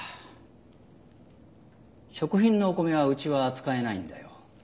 食品のお米はうちは扱えないんだよ。